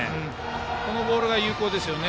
このボールは有効ですね。